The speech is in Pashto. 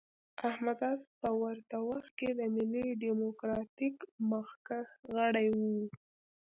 احمد عز په ورته وخت کې د ملي ډیموکراتیک مخکښ غړی و.